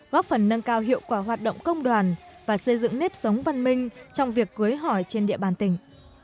góp phần nâng cao hiệu quả hoạt động công đoàn và xây dựng nếp sống văn minh trong việc cưới hỏi trên địa bàn tỉnh